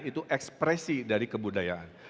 itu ekspresi dari kebudayaan